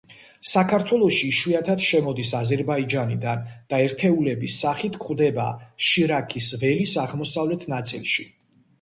საქართველოში იშვიათად შემოდის აზერბაიჯანიდან და ერთეულების სახით გვხვდება შირაქის ველის აღმოსავლეთ ნაწილში.